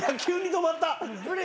急に止まった。